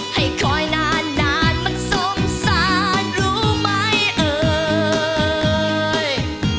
ให้คอยนานนานมันสงสารรู้ไหมเอ่ย